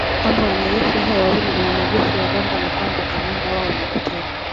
kwamba wanajeshi hao wawili ni wanajeshi wa Rwanda na kwamba kamanda wao ni Luteni